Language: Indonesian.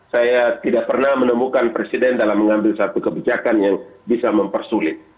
saya tidak pernah menemukan presiden dalam mengambil satu kebijakan yang bisa mempersulit